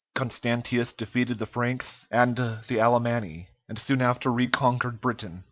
Constantius defeated the Franks and the Alemanni, and soon after reconquered Britain.